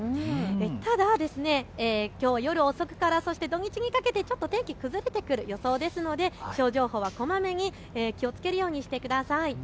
ただ、きょう夜遅くからそして土日にかけてちょっと天気崩れてくる予想ですので気象情報はこまめに気をつけるようにしてください。